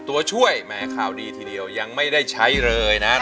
ตัวช่วยแหมข่าวดีทีเดียวยังไม่ได้ใช้เลยนะ